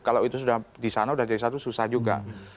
kalau itu sudah di sana sudah jadi satu susah juga